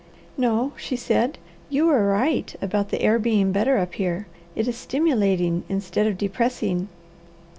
"No," she said. "You are right about the air being better up here. It is stimulating instead of depressing."